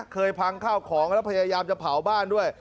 เคยพังข้าวของแล้วพยายามจะเผาบ้านด้วย